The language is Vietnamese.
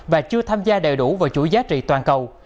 và chưa tham gia đầy đủ vào chuỗi giá trị toàn cầu